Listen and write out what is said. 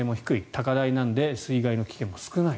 高台なので水害の危険性も少ない。